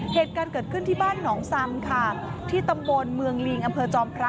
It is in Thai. เหตุการณ์เกิดขึ้นที่บ้านหนองซำค่ะที่ตำบลเมืองลิงอำเภอจอมพระ